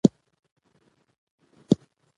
دا عقیده به لري چې په ما باندي هر حالت را ځي